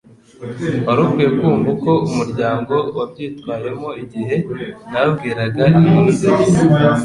Wari ukwiye kumva uko umuryango wabyitwayemo igihe nababwiraga inkuru nziza